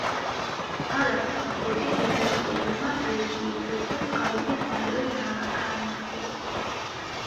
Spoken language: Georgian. არაბთა ფლოტი ბიზანტიელებმა „ბერძნული ცეცხლის“ წყალობით მალევე გაანადგურეს.